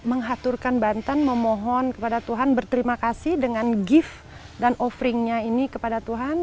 mengaturkan banten memohon kepada tuhan berterima kasih dengan gift dan offeringnya ini kepada tuhan